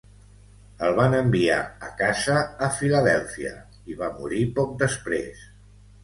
El van enviar a casa a Filadèlfia i va morir poc després.